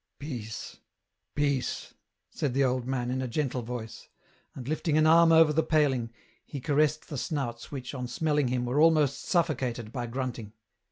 " Peace, peace," said the old man, in a gentle voice ; and lifting an arm over the paling, he caressed the snouts which, on smelling him, were almost suffocated by grunting.